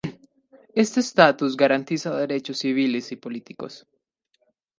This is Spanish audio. Este estatus garantizaba derechos civiles y políticos.